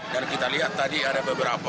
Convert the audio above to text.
dan kita lihat tadi ada beberapa